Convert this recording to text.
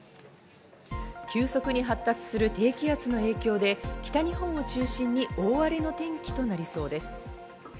急速に発達する低気圧の影響で北日本を中心に、大荒れの天気となりそうです。